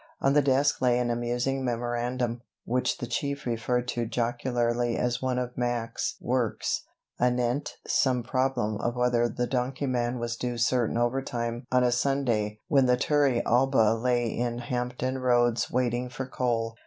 On the desk lay an amusing memorandum, which the Chief referred to jocularly as one of Mac's "works," anent some problem of whether the donkeyman was due certain overtime on a Sunday when the Turrialba lay in Hampton Roads waiting for coal.